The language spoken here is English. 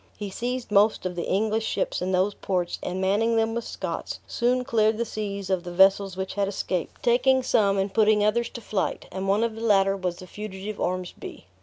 He seized most of the English ships in those ports, and manning them with Scots, soon cleared the seas of the vessels which had escaped, taking some, and putting others to flight; and one of the latter was the fugitive Ormsby.